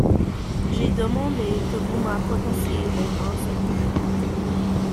J’ai demandé que vous m’apportassiez les rince-bouche.